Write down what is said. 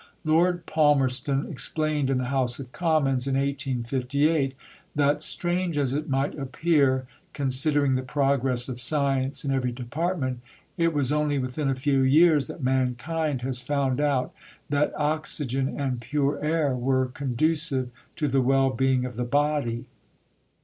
Lord Palmerston explained in the House of Commons in 1858 that, "strange as it might appear, considering the progress of science in every department, it was only within a few years that mankind has found out that oxygen and pure air were conducive to the well being of the body."